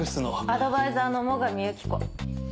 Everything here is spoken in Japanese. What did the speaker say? アドバイザーの最上友紀子。